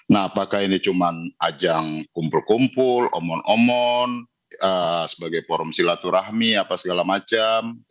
nah apakah ini cuma ajang kumpul kumpul omon omon sebagai forum silaturahmi apa segala macam